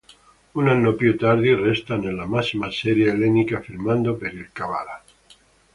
Un anno più tardi resta nella massima serie ellenica firmando per il Kavala.